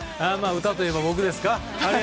歌といえば僕ですか？